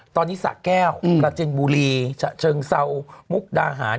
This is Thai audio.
ตอนนี้สะแก้วประจินบุรีฉะเชิงเซามุกดาหาร